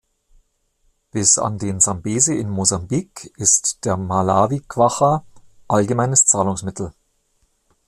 Bis an den Sambesi in Mosambik ist der Malawi-Kwacha allgemeines Zahlungsmittel.